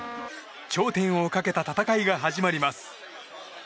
頂点をかけた戦いが始まります。